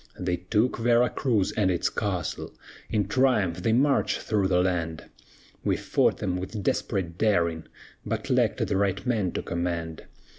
"They took Vera Cruz and its castle; In triumph they marched through the land; We fought them with desperate daring, But lacked the right man to command.